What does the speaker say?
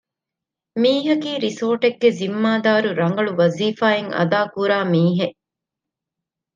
މީހަކީ ރިސޯޓެއްގެ ޒިންމާދާރު ރަނގަޅު ވަޒީފާއެއް އަދާކުރާ މީހެއް